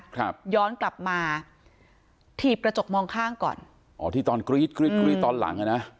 ครับย้อนกลับมาถีบกระจกมองข้างก่อนอ๋อที่ตอนกรี๊ดกรี๊ดกรี๊ดตอนหลังอ่ะนะ